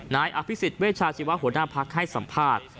นายอภิษฎเวชาชีวะหัวหน้าพักให้สัมภาษณ์